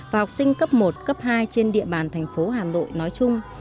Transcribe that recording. và học sinh cấp một cấp hai trên địa bàn thành phố hà nội nói chung